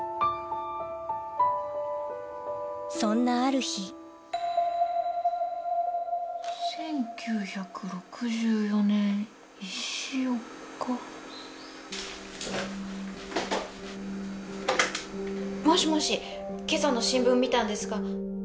そんなある日もしもし今朝の新聞見たんですが。